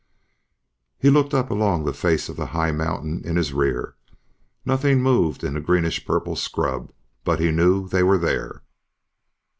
He looked up along the face of the high mountain in his rear. Nothing moved in the greenish purple scrub, but he knew they were there.